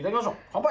乾杯！